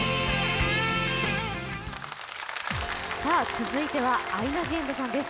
続いてはアイナ・ジ・エンドさんです。